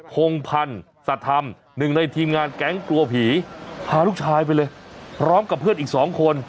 พงพันธ์สัตว์ธรรมหนึ่งในทีมงานแก๊งกลัวผีพาลูกชายไปเลยพร้อมกับเพื่อนอีกสองคน